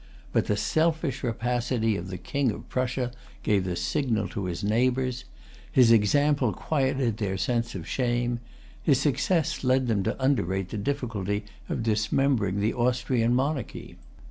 But the selfish rapacity of the King of Prussia gave the signal to his neighbors. His example quieted their sense of shame. His success led them to underrate the difficulty of dismembering the Austrian monarchy.